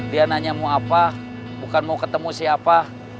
dia nanya mau apa bukan mau ketemu siapa